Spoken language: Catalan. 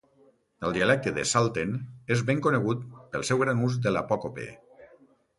El dialecte de salten és ben conegut pel seu gran ús de l'apòcope.